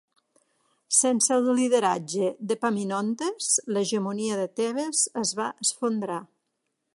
Sense el lideratge d'Epaminondes, l'hegemonia de Tebes es va esfondrar.